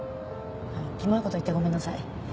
キモい事言ってごめんなさい。